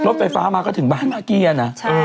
รถไฟฟ้อก็ถึงบ้านมากี้อ่ะน่ะ